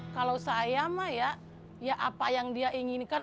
kalau saya mah ya ya apa yang dia inginkan